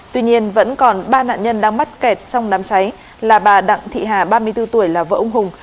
tuy nhiên vẫn còn ba nạn nhân đang mắc kẹt trong đám cháy là bà đặng thị hà ba mươi bốn tuổi là vợ ông hùng